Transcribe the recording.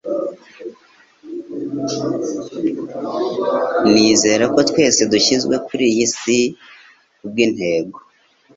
Nizera ko twese dushyizwe kuri iyi si kubwintego